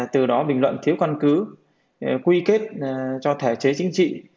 từ đó bình luận thiếu căn cứ quy kết cho thể chế chính trị